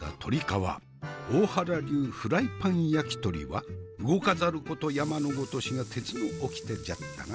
大原流フライパン焼き鳥は動かざること山のごとしが鉄のおきてじゃったな。